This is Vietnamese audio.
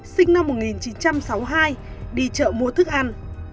sinh năm một nghìn chín trăm sáu mươi hai đi chợ mua thức ăn